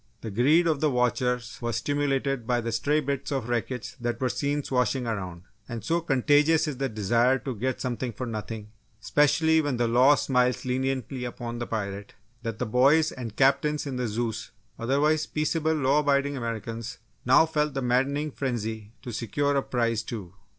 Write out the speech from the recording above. The greed of the watchers was stimulated by the stray bits of wreckage that were seen swashing around, and so contagious is the desire to get something for nothing, especially when the law smiles leniently upon the pirate, that the boys and Captains in the Zeus otherwise peaceable law abiding Americans, now felt the maddening frenzy to secure a prize, too.